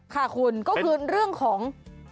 ค่ะคุณก็คือเรื่องของ